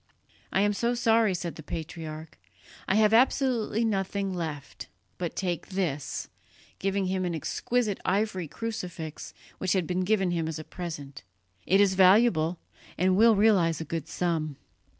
"I am so sorry," said the patriarch, "I have absolutely nothing left, but take this," giving him an exquisite ivory crucifix which had been given him as a present; "it is valuable, and will realize a good sum."